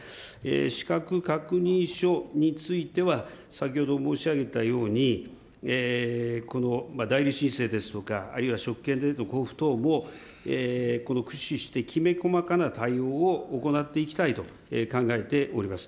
資格確認書については先ほど申し上げたように、代理申請ですとか、あるいは職権での交付等もこの駆使してきめ細かな対応を行っていきたいと考えております。